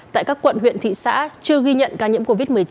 viện thị xã chưa ghi nhận ca nhiễm covid một mươi chín